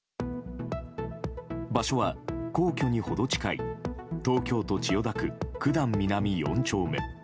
場所は、皇居に程近い東京都千代田区九段南４丁目。